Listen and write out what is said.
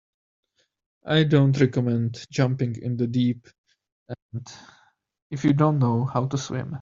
I don't recommend jumping in the deep end if you don't know how to swim.